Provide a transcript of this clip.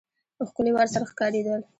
ښکلي ورسره ښکارېدل.